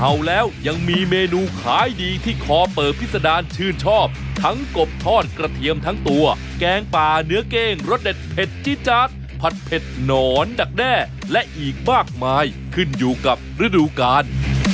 เอาแล้วยังมีเมนูขายดีที่คอเปิบพิษดารชื่นชอบทั้งกบทอดกระเทียมทั้งตัวแกงป่าเนื้อเก้งรสเด็ดเผ็ดจี๊จาดผัดเผ็ดหนอนดักแด้และอีกมากมายขึ้นอยู่กับฤดูกาล